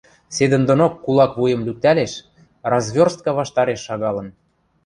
Седӹндонок кулак вуйым лӱктӓлеш, разверстка ваштареш шагалын.